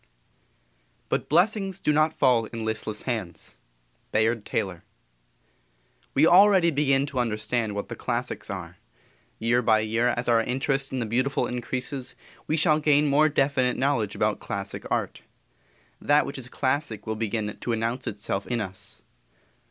"But blessings do not fall in listless hands."_ Bayard Taylor._ We already begin to understand what the classics are. Year by year as our interest in the beautiful increases, we shall gain more definite knowledge about classic art. That which is classic will begin to announce itself in us.